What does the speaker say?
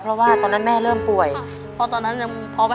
ก็ทำงานร้านอาหาร